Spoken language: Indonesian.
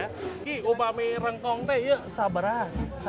ini umami rengkongnya berapa